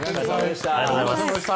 ありがとうございます。